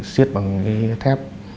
xiết bằng cái thép